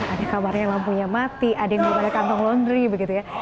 ada kamarnya lampunya mati ada yang belum ada kantong laundry begitu ya